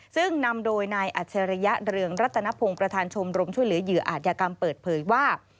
ซึ่งนำโดยนายอัจฉริยะเรืองรัตนพงศ์ประธานชมรมช่วยเหลือเหยื่ออาจยากรรมเปิดเผยว่า